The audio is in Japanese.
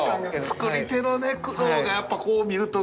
作り手の苦労がやっぱこう見ると。